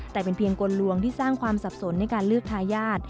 แต่เป็นเพียงกลลวงที่สร้างความสับสนในการเลือกทายาท